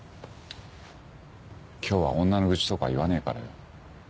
今日は女の愚痴とか言わねえからよ。